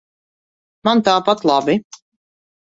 Man tāpat labi.